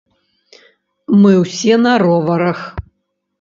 Мы ўсе на роварах.